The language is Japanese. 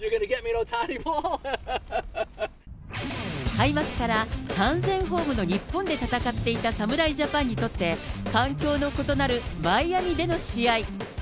開幕から完全ホームの日本で戦っていた侍ジャパンにとって、環境の異なるマイアミでの試合。